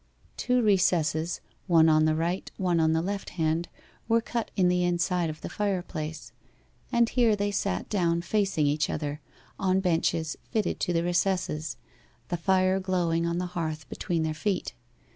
Two recesses one on the right, one on the left hand were cut in the inside of the fireplace, and here they sat down facing each other, on benches fitted to the recesses, the fire glowing on the hearth between their feet.